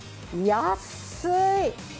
安い。